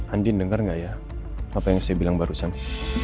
andi denger gak ya apa yang saya bilang baru sampe